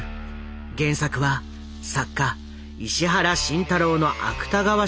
原作は作家石原慎太郎の芥川賞受賞作だ。